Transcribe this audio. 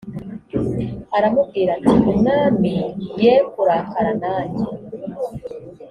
aramubwira ati umwami ye kurakara nanjye